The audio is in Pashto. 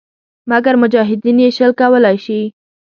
مګر مجاهدین یې شل کولای شي.